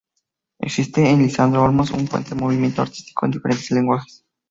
Existe en Lisandro Olmos un fuerte movimiento artístico en diferentes lenguajes.